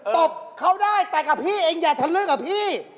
ตบเขาได้แต่กับพี่เองอย่าทะลึ่งกับพี่